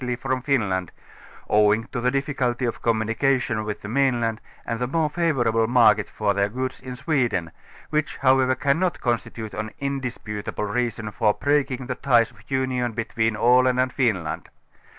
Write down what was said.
\' from Finland, owing to the difficulty of communication with the mainland and the more favour able market for their goods in Sweden, which however can not constitute an indisputable reason for breaking the ties of union between Aland and Finland.